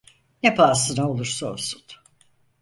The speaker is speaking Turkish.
Ne pahasına olursa olsun.